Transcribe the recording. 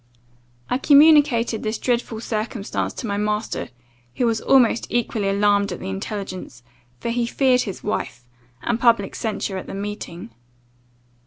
"I communicated this dreadful circumstance to my master, who was almost equally alarmed at the intelligence; for he feared his wife, and public censure at the meeting.